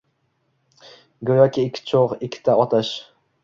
Go’yoki ikki cho’g’, ikkita otash